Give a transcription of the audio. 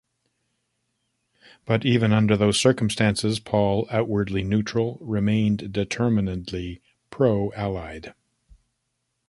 But even under those circumstances Paul, outwardly neutral, remained determinedly pro-Allied.